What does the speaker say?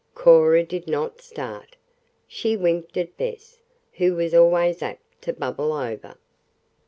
Cora did not start. She winked at Bess, who was always apt to "bubble over."